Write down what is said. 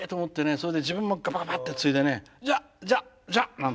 それで自分もガバガバってついで「じゃ！じゃ！じゃ！」なんてね